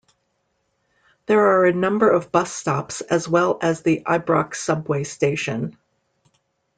There are a number of bus stops as well as the Ibrox Subway station.